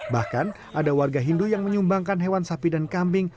bahkan ada warga hindu yang menyumbangkan hewan sapi dan kambing